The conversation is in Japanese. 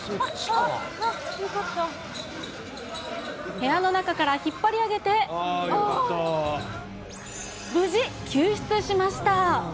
部屋の中から引っ張り上げて、無事救出しました。